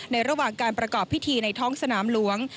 ระหว่างการประกอบพิธีในท้องสนามหลวง